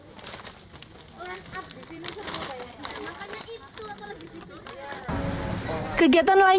aku bisa takut biar dua puluh lima tahun lagi